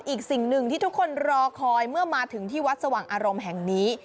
อีกสิ่งหนึ่งที่ทุกคนรอคอยเมื่อมาถึงที่วัดสว่างอารมณ์แห่งนี้